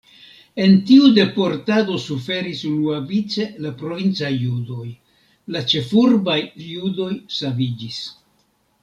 En tiu deportado suferis unuavice la provincaj judoj, la ĉefurbaj judoj saviĝis.